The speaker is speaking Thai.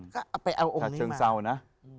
ก็ไปเอาองค์นี้มา